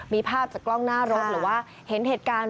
มีภาพจากกล้องหน้ารถหรือว่าเห็นเหตุการณ์